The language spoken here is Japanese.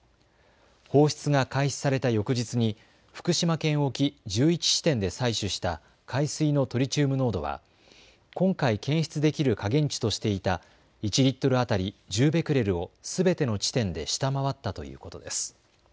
放出が開始された翌日に福島県沖、１１地点で採取した海水のトリチウム濃度は今回検出できる下限値としていた１リットル当たり１０ベクレルをすべての地点で下回ったということです。